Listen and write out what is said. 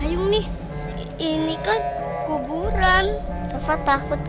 ya kak aku takut